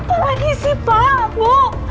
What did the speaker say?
apa lagi si pak bu